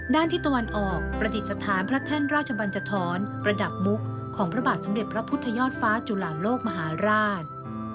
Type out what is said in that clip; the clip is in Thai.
ที่ตะวันออกประดิษฐานพระแท่นราชบัญจทรประดับมุกของพระบาทสมเด็จพระพุทธยอดฟ้าจุลาโลกมหาราช